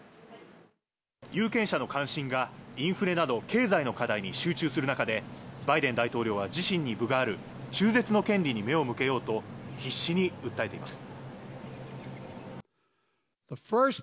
有権者の関心がインフレなど経済の課題に集中する中で、バイデン大統領は自身に分がある中絶の権利に目を向けようと必死に訴えています。